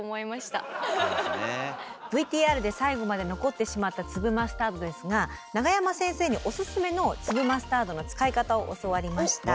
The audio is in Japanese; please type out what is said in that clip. ＶＴＲで最後まで残ってしまった粒マスタードですが永山先生におすすめの粒マスタードの使い方を教わりました。